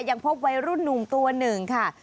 ยังพบวัยรุ่นหนุ่มตัวหนึ่งค่ะ